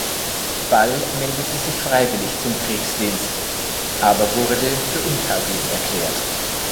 Ball meldete sich freiwillig zum Kriegsdienst, aber wurde für untauglich erklärt.